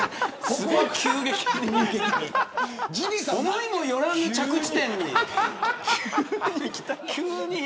思いもよらぬ着地点に。